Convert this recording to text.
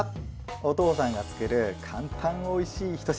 お父さんが作る簡単おいしいひと品。